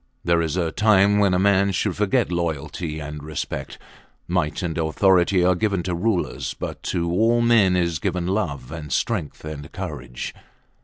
There is a time when a man should forget loyalty and respect. Might and authority are given to rulers, but to all men is given love and strength and courage.